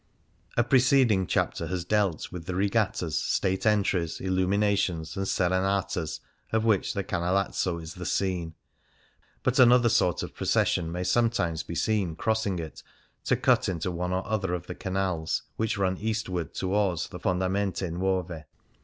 A preceding chapter has dealt with the regattas. State entries, illuminations, and serenatas, of which the Canalazzo is the scene. But another sort of procession may sometimes be seen crossing it to cut into one or other of the canals which run eastward towards the Fondamente Nuove.